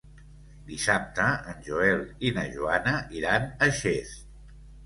Dissabte en Joel i na Joana iran a Xest.